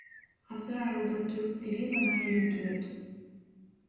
Азыр айылда түрк тили гана үйрөтүлөт.